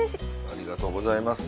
ありがとうございます。